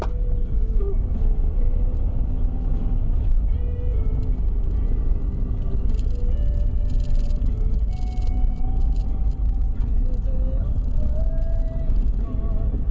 ตอนนี้ก็เปลี่ยนแบบนี้แหละ